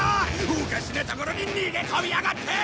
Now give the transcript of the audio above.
おかしな所に逃げ込みやがって！